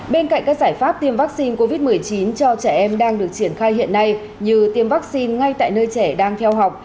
bên cạnh các giải pháp tiêm vaccine covid một mươi chín cho trẻ em đang được triển khai hiện nay như tiêm vaccine ngay tại nơi trẻ đang theo học